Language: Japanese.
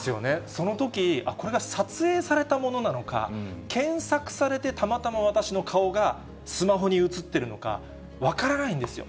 そのとき、あっ、これが撮影されたものなのか、検索されてたまたま私の顔がスマホに映っているのか、分からないんですよ。